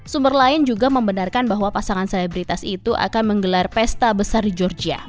sumber lain juga membenarkan bahwa pasangan selebritas itu akan menggelar pesta besar di georgia